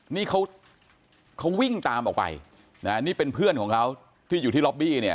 นี่เขาเขาวิ่งตามออกไปนะนี่เป็นเพื่อนของเขาที่อยู่ที่ล็อบบี้เนี่ย